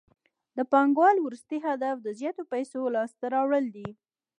د پانګوال وروستی هدف د زیاتو پیسو لاسته راوړل دي